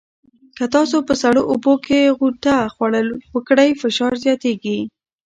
که تاسو په سړو اوبو کې غوطه خوړل وکړئ، فشار زیاتېږي.